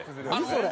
それ。